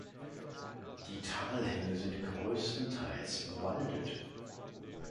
Die Talhänge sind größtenteils bewaldet.